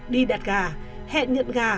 đi đặt gà hẹn nhận gà